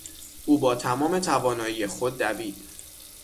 او با تمام توانایی خود دوید.